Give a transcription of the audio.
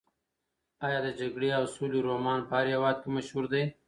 ایا د جګړې او سولې رومان په هر هېواد کې مشهور دی؟